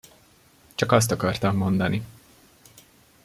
Csak azt akartam mondani.